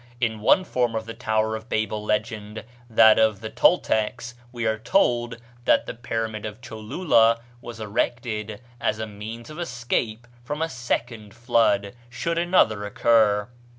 In one form of the Tower of Babel legend, that of the Toltecs, we are told that the pyramid of Cholula was erected "as a means of escape from a second flood, should another occur."